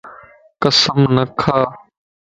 قسم نه کا